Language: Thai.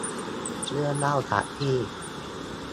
เรื่องเล่าจากพี่